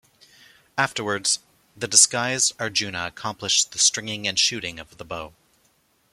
Afterwards, the disguised Arjuna accomplished the stringing and shooting of the bow.